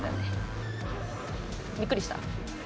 びっくりした？